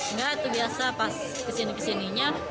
enggak itu biasa pas kesini kesininya